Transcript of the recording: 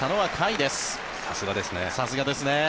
さすがですね。